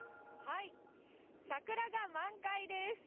桜が満開です。